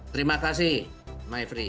terima kasih mbak ivry